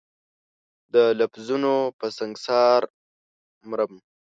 د لفظونو په سنګسار مرم